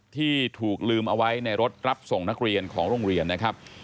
ที่ถูกลืมเอาไว้ในรถรับส่งนักเรียนของโรงเรียนนะครับ